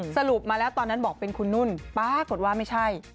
สรุปมาแล้วตอนนั้นบอกเป็นคุณนุ่นปรากฏว่าไม่ใช่